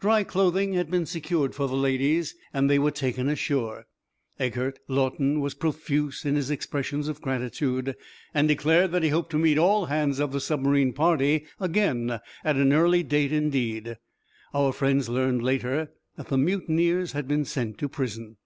Dry clothing had been secured for the ladies, and they were taken ashore. Eghert Lawton was profuse in his expressions of gratitude, and declared that he hoped to meet all hands of the submarine party again at an early date indeed. Our friends learned, later, that the mutineers had been sent to prison.